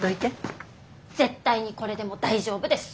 絶対にこれでも大丈夫です。